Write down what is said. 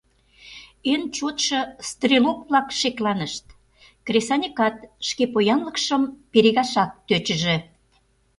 Эн чотшо стрелок-влак шекланышт, кресаньыкат шке поянлыкшым перегашак тӧчыжӧ.